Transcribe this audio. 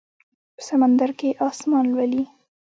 په سمندر کې اسمان لولي